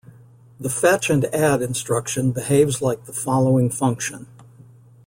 The fetch-and-add instruction behaves like the following function.